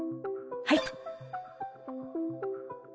はい。